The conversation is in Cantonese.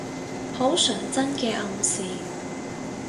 好純真嘅暗示